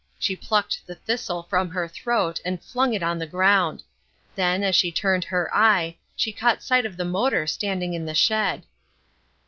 She plucked the thistle from her throat and flung it on the ground. Then, as she turned her eye, she caught sight of the motor standing in the shed.